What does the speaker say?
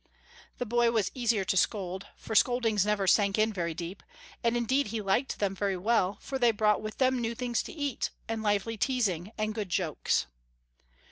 The boy was easier to scold, for scoldings never sank in very deep, and indeed he liked them very well for they brought with them new things to eat, and lively teasing, and good jokes.